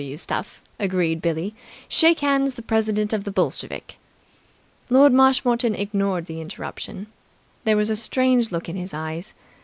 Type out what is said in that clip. W.W. stuff," agreed Billie. "Shake hands the President of the Bolsheviki!" Lord Marshmoreton ignored the interruption. There was a strange look in his eyes.